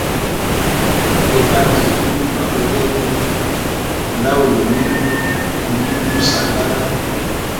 Ekanza tuli ba lugendo, ndauli mundu limusagala.